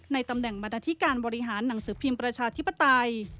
ตำแหน่งบรรดาธิการบริหารหนังสือพิมพ์ประชาธิปไตย